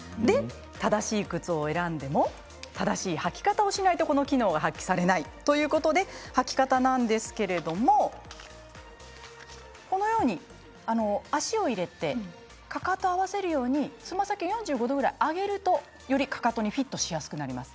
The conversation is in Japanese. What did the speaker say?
正しい靴を選んでも正しい履き方をしないとこの機能は発揮されないということで履き方なんですけれど足を入れてかかとを合わせるようにつま先を４５度ぐらい上げるとよりかかとに、フィットしやすくなります。